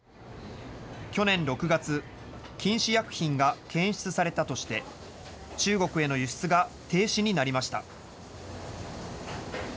去年６月、禁止薬品が検出されたとして、中国への輸出が停止になりました。